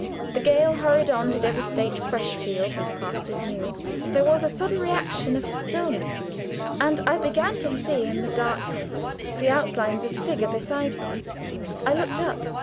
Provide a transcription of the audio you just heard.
The gale hurried on to devastate fresh fields and pastures new. There was a sudden reaction of stillness, and I began to see in the darkness the outlines of a figure beside me. I looked up.